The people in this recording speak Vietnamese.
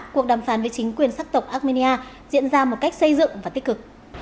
cuộc đàm phán với chính quyền sắc tộc armenia diễn ra một cách xây dựng và tích cực